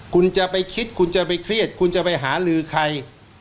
คุณจะไปคิดคุณจะไปเครียดคุณจะไปหาลือใคร